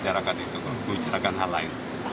saya bicarakan hal lain